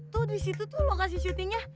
tuh di situ tuh lokasi syutingnya